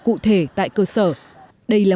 cụ thể tại cơ sở đây là